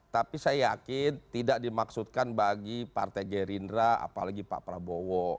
tapi saya yakin tidak dimaksudkan bagi partai gerindra apalagi pak prabowo